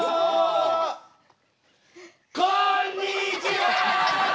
こんにちは！